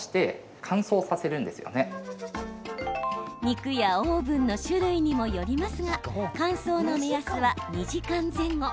肉やオーブンの種類にもよりますが乾燥の目安は２時間前後。